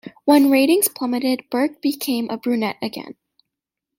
When ratings plummeted, Burke became a brunette again.